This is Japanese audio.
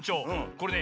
これね